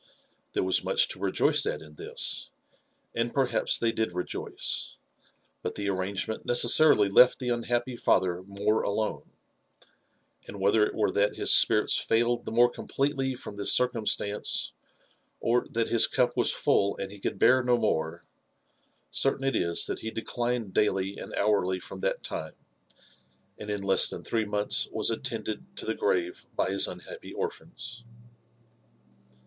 There was much to rejoice at in this, — ^and perhaps they did rejoice. But tho arrangement necessarily left the unhappy fother more alone ; and whether it were that his spirits failed the more completely from this circumstance, or that his cup was full and he could bear no more, certain it is that he declined daily and hourly from that time, and in less than in three months was attended to the grave by his unhappy orphans.